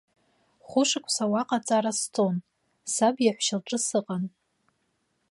Хәышықәса уаҟа аҵара сҵон, саб иаҳәшьа лҿы сыҟан.